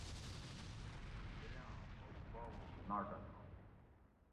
بِرے آں بوب باواں ناٹہ تھاں